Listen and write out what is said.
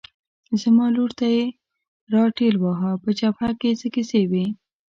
زما لور ته یې را ټېل واهه، په جبهه کې څه کیسې وې؟